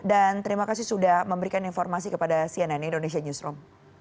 dan terima kasih sudah memberikan informasi kepada cnn indonesia newsroom